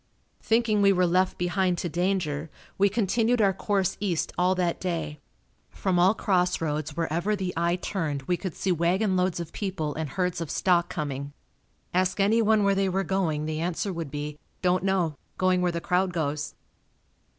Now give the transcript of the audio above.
Thinking we were left behind to danger, we continued our course east all that day. From all cross roads wherever the eye turned we could see wagon loads of people and herds of stock coming. Ask anyone where they were going, the answer would be, "Don't know. Going where the crowd goes."